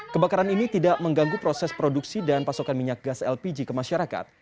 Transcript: kebakaran ini tidak mengganggu proses produksi dan pasokan minyak gas lpg ke masyarakat